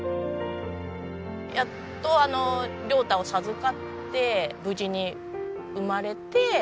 やっと椋太を授かって無事に生まれて。